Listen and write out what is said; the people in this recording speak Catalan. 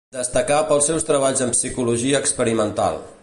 Destacà pels seus treballs de psicologia experimental.